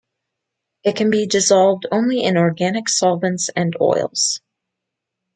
It can be dissolved only in organic solvents and oils.